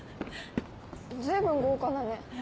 随分豪華だね。